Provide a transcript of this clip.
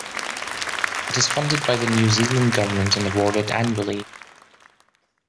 It is funded by the New Zealand government and awarded annually.